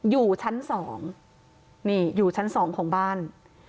อยู่ชั้น๒นี่อยู่ชั้น๒ของบ้าน